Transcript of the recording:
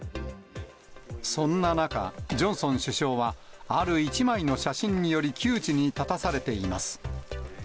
そんな中、ジョンソン首相は、ある一枚の写真により窮地に立たされています。